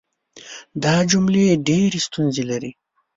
دا جملې ډېرې ستونزې لري.